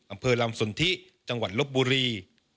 อำเภอลำสนทิจังหวัดลบบุรี